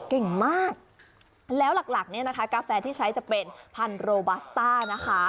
เก่งมากแล้วหลักหลักเนี่ยนะคะกาแฟที่ใช้จะเป็นพันโรบัสต้านะคะ